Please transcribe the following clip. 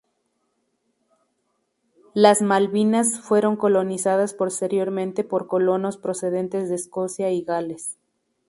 Las Malvinas fueron colonizadas posteriormente por colonos procedentes de Escocia y Gales.